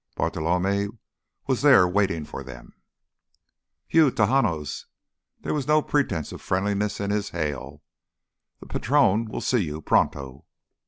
Bartolomé was there waiting for them. "You Tejanos—" There was no pretense of friendliness in his hail. "The patrón will see you, pronto!"